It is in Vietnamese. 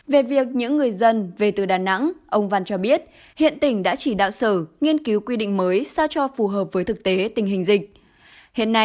về việc những người dân về từ đà nẵng ông văn cho biết hiện tỉnh đã chỉ đạo sở nghiên cứu quy định mới sao cho phù hợp với thực tế tình hình dịch